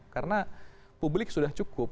karena publik sudah cukup